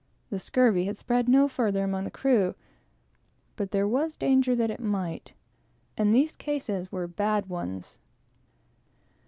The scurvy had spread no farther among the crew, but there was danger that it might; and these cases were bad ones.